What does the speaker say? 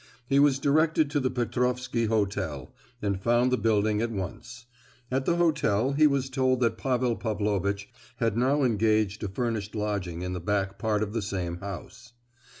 He was directed to the Petrofsky Hotel, and found the building at once. At the hotel he was told that Pavel Pavlovitch had now engaged a furnished lodging in the back part of the same house.